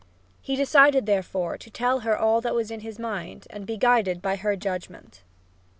He decided, therefore, to tell her all that was in his mind and be guided by her judgment.